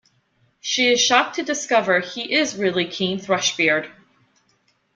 She is shocked to discover he is really King Thrushbeard.